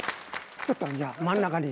ちょっとじゃあ真ん中に。